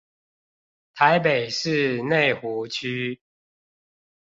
台北市內湖區